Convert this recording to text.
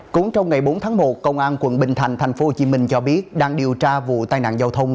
cũng trong ngày bốn tháng một công an quận bình thạnh tp hcm cho biết đang điều tra vụ tai nạn giao thông